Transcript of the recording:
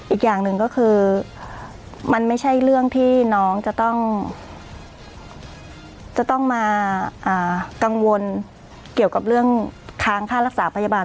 อีกอย่างหนึ่งก็คือมันไม่ใช่เรื่องที่น้องจะต้องมากังวลเกี่ยวกับเรื่องค้างค่ารักษาพยาบาล